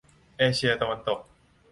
เอเชียตะวันตก